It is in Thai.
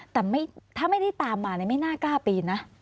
แต่ถ้าไม่ได้ตามมาไม่น่ากล้าปีนนะ